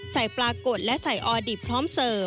ใส่ปลากดและใส่ออดิบพร้อมเสิร์ฟ